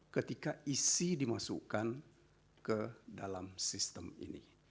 ketika isi dimasukkan ke dalam sistem ini